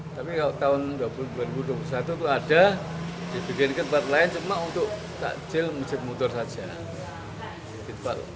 tapi kalau tahun dua ribu dua puluh satu itu ada dibikin ke tempat lain cuma untuk takjil masjid motor saja